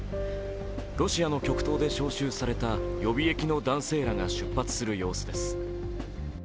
ロシアの極東で招集された予備役の男性らが出発する様子です。